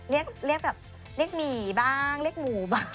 เรียกแบบเรียกหมี่บ้างเรียกหมูบ้าง